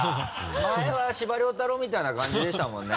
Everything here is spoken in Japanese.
前は司馬遼太郎みたいな感じでしたもんね。